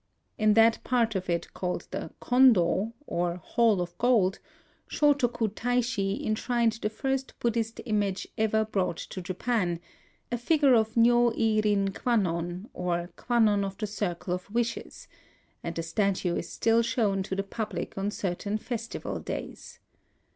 In that part of it called the Kondo, or Hall of Gold, Shotoku Taishi enshrined the first Buddhist image ever brought to Japan, — a figure of Nyo i rin Kwannon, or Kwannon of the Circle of Wishes, — and the statue is still shown to the public on certain festival days.